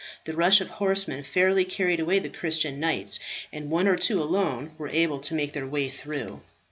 The rush of horsemen fairly carried away the Christian knights, and one or two alone were able to make their way through.